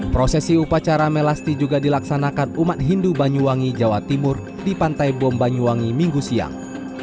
prosesi upacara melasti juga dilaksanakan umat hindu banyuwangi jawa timur di pantai bom banyuwangi minggu siang